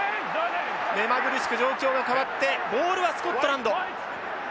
目まぐるしく状況が変わってボールはスコットランド。